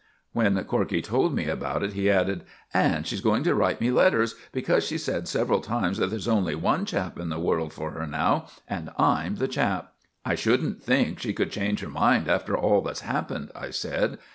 When Corkey told me about it he added: "And she's going to write me letters, because she's said several times that there's only one chap in the world for her now, and I'm the chap." "I shouldn't think she could change her mind after all that's happened," I said.